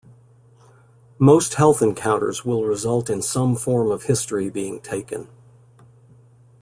Most health encounters will result in some form of history being taken.